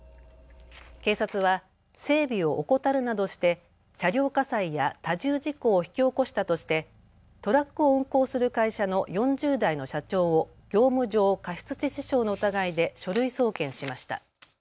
警察は整備を怠るなどして車両火災や多重事故を引き起こしたとしてトラックを運行する会社の４０代の社長を業務上過失致死傷の疑いで書類送検しました。